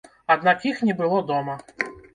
Аднак іх не было дома.